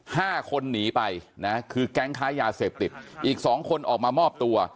ห้าคนหนีไปนะคือแก๊งค้ายาเสพติดอีกสองคนออกมามอบตัว